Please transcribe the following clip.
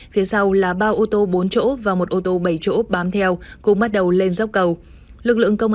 phía sau là ba ô tô bốn chỗ và một ô tô bảy chỗ bám theo cùng bắt đầu lên dốc cầu lực lượng công